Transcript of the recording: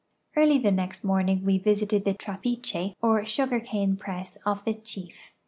p]arly the next morning we visited the trapiclie or sugar cane press of the chief.